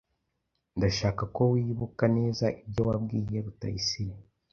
Ndashaka ko wibuka neza ibyo wabwiye Rutayisire .